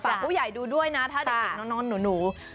ผู้ใหญ่ดูด้วยนะถ้าเด็กน้องหนู